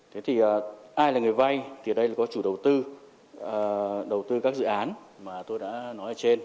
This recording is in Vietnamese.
thế thì ai là người vay thì ở đây là có chủ đầu tư đầu tư các dự án mà tôi đã nói ở trên